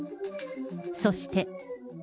そして。